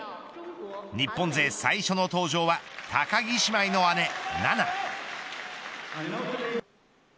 日本勢最初の登場は高木姉妹の姉、菜那。